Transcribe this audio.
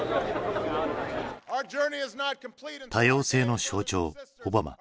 多様性の象徴オバマ。